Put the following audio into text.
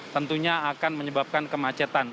tentunya akan menyebabkan kemacetan